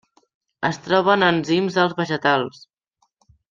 Es troba en enzims dels vegetals.